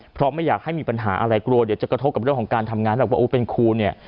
เพราะไม่อยากให้มีปัญหาอะไรกลัวเดี๋ยวจะกระทบกับเรื่องของการทำงานแล้วว่าโอ้เป็นครูเนี่ย